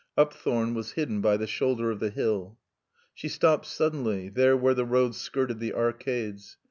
Upthorne was hidden by the shoulder of the hill. She stopped suddenly, there where the road skirted the arcades.